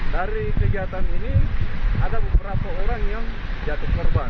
dari kegiatan ini ada beberapa orang yang jatuh korban